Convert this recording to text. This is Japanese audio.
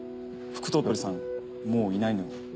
副頭取さんもういないのに。